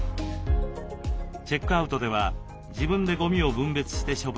チェックアウトでは自分でごみを分別して処分します。